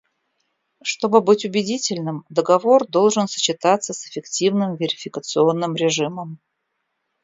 Чтобы быть убедительным, договор должен сочетаться с эффективным верификационным режимом.